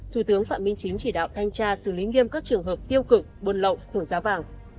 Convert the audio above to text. thủ tướng phạm minh chính chỉ đạo thanh tra xử lý nghiêm các trường hợp tiêu cực buồn lậu thưởng giá vàng